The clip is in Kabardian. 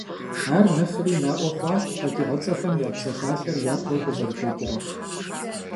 Ар нэхъри наӏуэ хъуащ «Къэкӏыгъэцӏэхэм я псалъалъэр» япэу къызэрыдэкӏрэ.